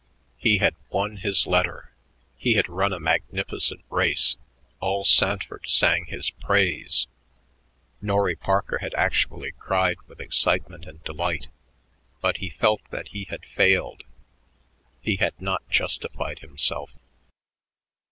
He had won his letter, he had run a magnificent race, all Sanford sang his praise Norry Parker had actually cried with excitement and delight but he felt that he had failed; he had not justified himself.